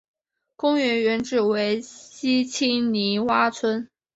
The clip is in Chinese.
公园原址为西青泥洼村。